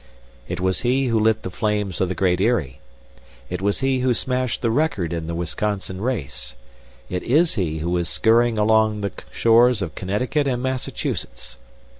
It was he who lit the flames of the Great Eyrie. It was he who smashed the record in the Wisconsin race. It is he who is scurrying along the shores of Connecticut and Massachusetts.